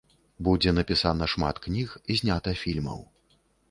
Будзе напісана шмат кніг, знята фільмаў.